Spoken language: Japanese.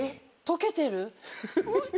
溶けてる。